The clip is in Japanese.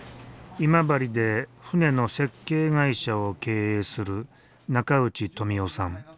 今治で船の設計会社を経営する中内富男さん。